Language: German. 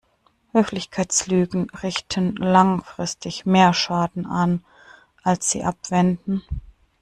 Höflichkeitslügen richten langfristig mehr Schaden an, als sie abwenden.